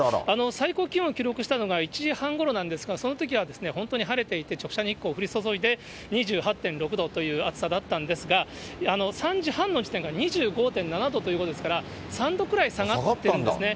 最高気温を記録したのが１時間半ごろなんですが、そのときは本当に晴れていて、直射日光降り注いで２８．６度という暑さだったんですが、３時半の時点から、２５．７度ということですから、３度くらい下がってるんですね。